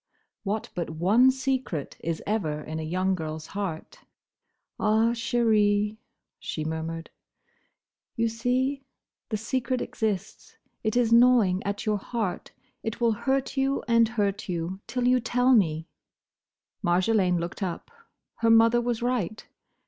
What but one secret is ever in a young girl's heart? "Ah, chérie," she murmured, "you see? The secret exists: it is gnawing at your heart. It will hurt you and hurt you, till you tell me." Marjolaine looked up. Her mother was right.